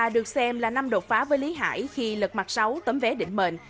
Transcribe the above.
hai nghìn hai mươi ba được xem là năm đột phá với lý hải khi lật mặt sáu tấm vé định mệnh